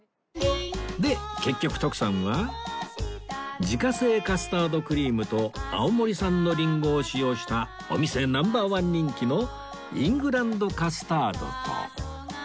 で結局徳さんは自家製カスタードクリームと青森産のリンゴを使用したお店ナンバー１人気のイングランドカスタードと